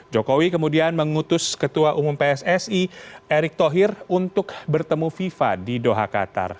jokowi kemudian mengutus ketua umum pssi erick thohir untuk bertemu fifa di doha qatar